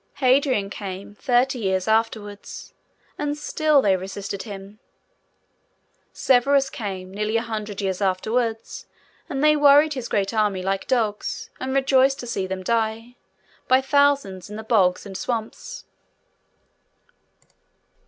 Hadrian came, thirty years afterwards, and still they resisted him. Severus came, nearly a hundred years afterwards, and they worried his great army like dogs, and rejoiced to see them die, by thousands, in the bogs and swamps.